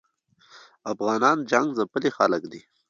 افغانان جنګ ځپلي خلګ دي